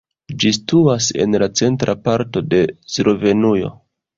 Ĝi situas en la centra parto de Slovenujo.